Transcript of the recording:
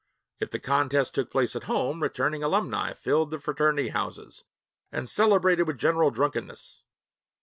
If the contest took place at home, returning alumni filled the fraternity houses and celebrated with general drunkenness.